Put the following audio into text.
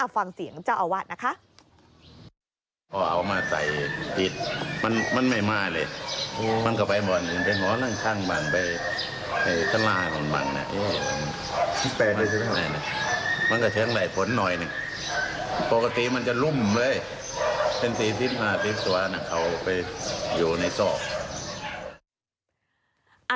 ฟังเสียงเจ้าอาวาสนะคะ